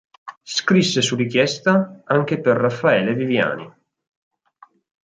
Scrisse su richiesta anche per Raffaele Viviani.